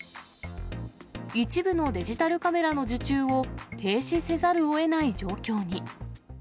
一部のデジタルカメラの受注を停止せざるをえない状況に。